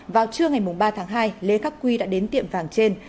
vào trưa ngày ba tháng hai lê khắc quy đã đến tiệm vàng trên